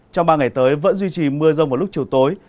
trong ba ngày tới vẫn duy trì mưa rông vào lúc chiều tối